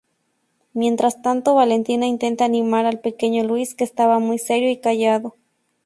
Mientras tanto Valentina intenta animar al pequeño Luis que estaba muy serio y callado.